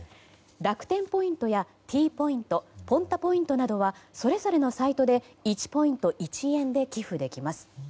楽天ポイントやＴポイントＰｏｎｔａポイントなどはそれぞれのサイトで１ポイント１円で寄付できます。